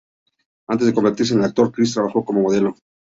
Antes de convertirse en actor Chris trabajó como modelo.